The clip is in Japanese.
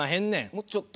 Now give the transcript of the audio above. もうちょっと。